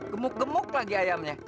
gemuk gemuk lagi ayamnya